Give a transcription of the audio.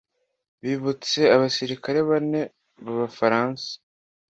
Bibutse abasirikare bane babaafaransa